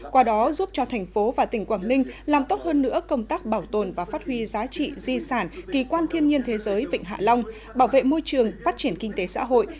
qua đó giúp cho thành phố và tỉnh quảng ninh làm tốt hơn nữa công tác bảo tồn và phát huy giá trị di sản kỳ quan thiên nhiên thế giới vịnh hạ long bảo vệ môi trường phát triển kinh tế xã hội